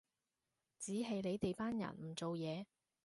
只係你哋班人唔做嘢